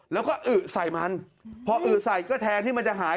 แล้วก็อึใส่มันพออึใส่ก็แทนที่มันจะหาย